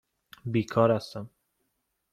بیکار هستم.